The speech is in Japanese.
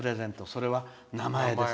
それは名前です。